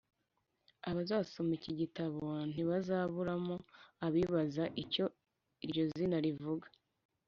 abazasoma iki gitabo ntibazaburamo abibaza icyo iryo zina rivuga,